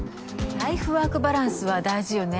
ライフワークバランスは大事よね。